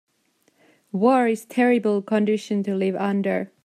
War is a terrible condition to live under.